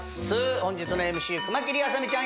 本日のＭＣ熊切あさ美ちゃん